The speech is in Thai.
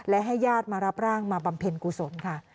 และให้ญาติมารับร่างมาบำเพ็ญกุศลค่ะ